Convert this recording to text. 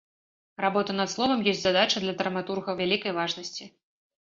Работа над словам ёсць задача для драматурга вялікай важнасці.